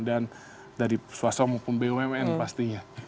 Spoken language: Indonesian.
dan dari swasta maupun bumn pastinya